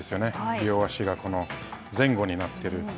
両足が、前後になっている。